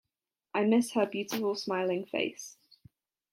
I miss her beautiful smiling face.